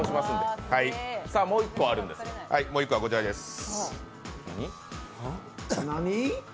もう１個はこちらです。